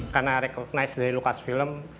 karena dikenali dari lukas film